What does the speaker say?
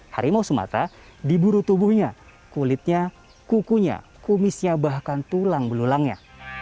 harimau sumatera diburu tubuhnya kulitnya kukunya kumisnya bahkan tulang belulangnya